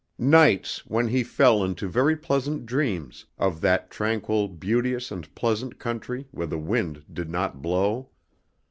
Nights when he fell into very pleasant dreams of that tranquil beauteous and pleasant country where the wind did not blow.